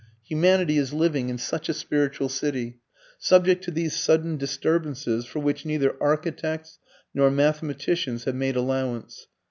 Humanity is living in such a spiritual city, subject to these sudden disturbances for which neither architects nor mathematicians have made allowance.